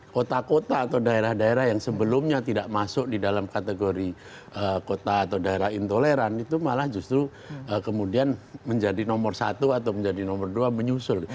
kota kota atau daerah daerah yang sebelumnya tidak masuk di dalam kategori kota atau daerah intoleran itu malah justru kemudian menjadi nomor satu atau menjadi nomor dua menyusul